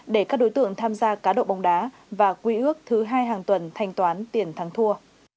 để các đối tượng tham gia cá độ bóng đá và quy ước thứ hai hàng tuần thanh toán tiền thắng thua